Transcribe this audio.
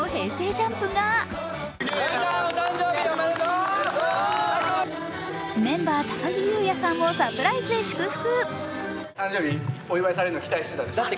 ＪＵＭＰがメンバー・高木雄也さんとサプライズで祝福。